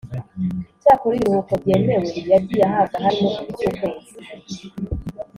Cyakora ibiruhuko byemewe yagiye ahabwa harimo icyukwezi